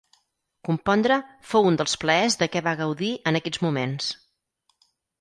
Compondre, fou un dels plaers de què va gaudir en aquests moments.